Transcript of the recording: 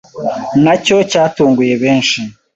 na cyo cyatunguye benshi